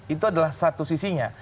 itu adalah satu sisinya